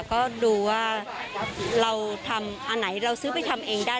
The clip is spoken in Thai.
ก็ดูว่าเราทำอันไหนเราซื้อไปทำเองได้